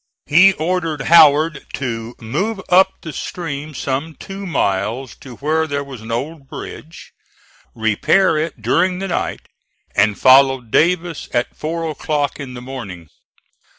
He ordered Howard to move up the stream some two miles to where there was an old bridge, repair it during the night, and follow Davis at four o'clock in the morning.